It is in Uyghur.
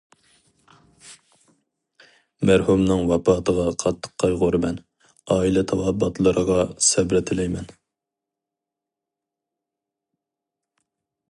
مەرھۇمنىڭ ۋاپاتىغا قاتتىق قايغۇرىمەن، ئائىلە تاۋابىئاتلىرىغا سەبرە تىلەيمەن.